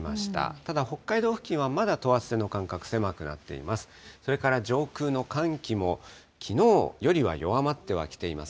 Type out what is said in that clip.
ただ北海道付近はまだ等圧線の間隔、狭くなっています。